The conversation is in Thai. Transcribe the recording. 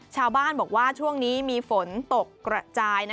ชาวบ้านบอกว่าช่วงนี้มีฝนตกกระจาย